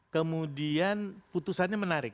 kemudian putusannya menang